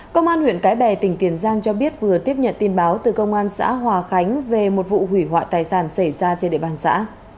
công an huyện cái bè tỉnh tiền giang cho biết vừa tiếp nhận tin báo từ công an xã hòa khánh về một vụ hủy hoại tài sản xảy ra trên địa bàn xã